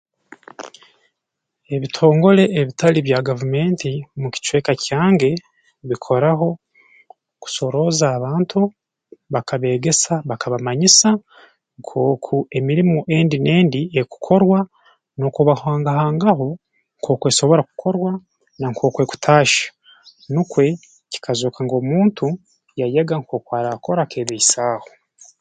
Ebitongole ebitali bya gavumenti mu kicweka kyange bikoraho kusorooza abantu bakabeegesa bakabamanyisa nkooku emirimo endi n'endi ekukorwa n'okubahangahangaho nk'oku esobora kukorwa na nk'oku ekutahya nukwo kikazooka ngu omuntu yayega nkooku araakora akeebaisaaho